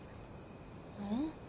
うん？